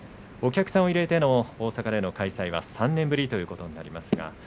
お客さんを入れての大阪での開催は３年ぶりということになります。